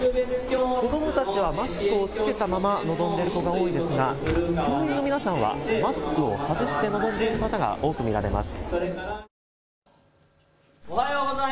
子どもたちはマスクを着けたまま臨んでいる子が多いですが教員の皆さんは、マスクを外して臨んでいる方が多く見られます。